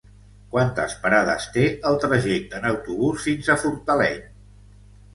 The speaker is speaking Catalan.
Quantes parades té el trajecte en autobús fins a Fortaleny?